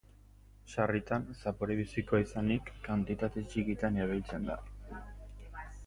Sarritan zapore bizikoa izanik, kantitate txikietan erabiltzen da.